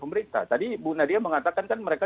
pemerintah tadi bu nadia mengatakan kan mereka